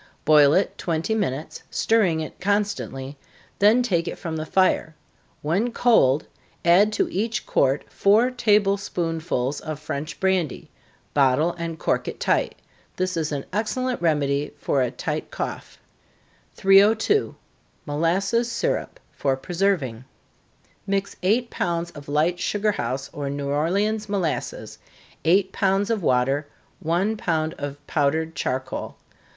Boil it twenty minutes, stirring it constantly, then take it from the fire when cold, add to each quart four table spoonsful of French brandy bottle and cork it tight. This is an excellent remedy for a tight cough. 302. Molasses Syrup, for preserving. Mix eight pounds of light sugar house or New Orleans molasses, eight pounds of water, one pound of powdered charcoal.